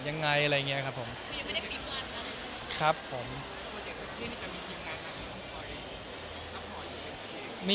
ยังไงอะไรอย่างนี้ครับผมครับผม